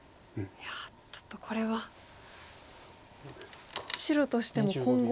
いやちょっとこれは白としても今後。